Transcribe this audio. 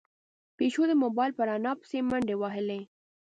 پيشو د موبايل په رڼا پسې منډې وهلې.